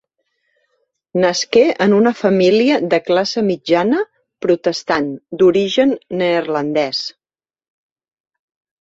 Nasqué en una família de classe mitjana protestant d'origen neerlandès.